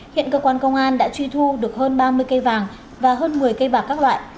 hiện cơ quan công an đã truy thu được hơn ba mươi cây vàng và hơn một mươi cây bạc các loại